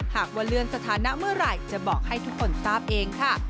หากว่าเลื่อนสถานะเมื่อไหร่จะบอกให้ทุกคนทราบเองค่ะ